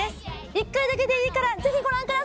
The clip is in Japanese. １回だけでいいからぜひご覧ください。